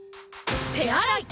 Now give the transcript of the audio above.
手洗い！